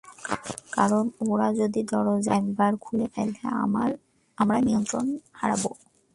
কারণ, ওরা যদি দরজাটা একবার খুলে ফেলে আমরা নিয়ন্ত্রণ হারাব!